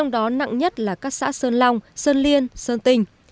đó nặng nhất là các xã sơn long sơn liên sơn tình